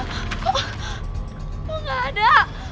kok gak ada